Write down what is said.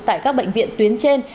tại các bệnh viện tuyến trên